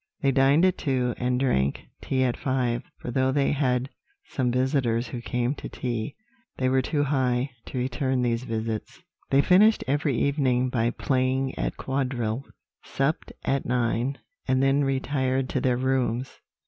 They dined at two, and drank tea at five; for though they had some visitors who came to tea, they were too high to return these visits. They finished every evening by playing at quadrille; supped at nine, and then retired to their rooms."